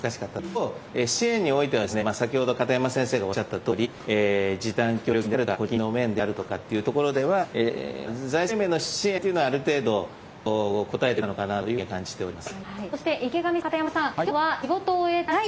一方、支援においては、先ほど片山先生がおっしゃったとおり、時短協力金であるとか、雇調金の面であるとかといったところでは財政面の支援というのはある程度応えてくれたのかなと感じております。